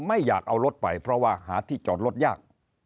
ไม่อยากเอารถไปเพราะว่าหาที่จอดรถยาก